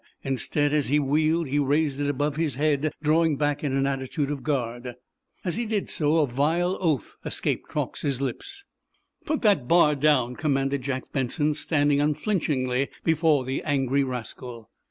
Instead, as he wheeled, he raised it above his head, drawing back in an attitude of guard. As he did so, a vile oath escaped Truax's lips. "Put that bar down!" commanded Jack Benson, standing unflinchingly before the angry rascal.